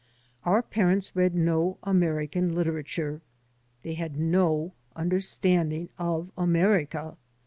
Our parents read no American literature, they had no understanding of America.